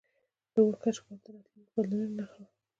د اور کشف کول د راتلونکو بدلونونو نښه وه.